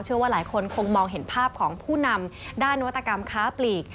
ว่าหลายคนคงมองเห็นภาพของผู้นำด้านนวัตกรรมค้าปลีก